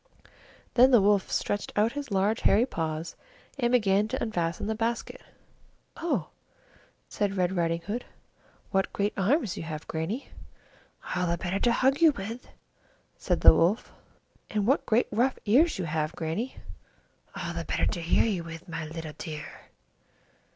Then the Wolf stretched out his large hairy paws and began to unfasten the basket. "Oh!" said Red Riding Hood, "what great arms you have, Grannie!" "All the better to hug you with," said the Wolf. "And what great rough ears you have, Grannie!" "All the better to hear you with, my little dear."